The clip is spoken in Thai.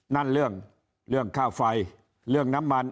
นั่นเรื่องเรื่องค่าไฟเรื่องน้ำมัน